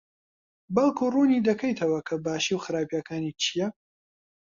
بەڵکو ڕوونی دەکەیتەوە کە باشی و خراپییەکانی چییە؟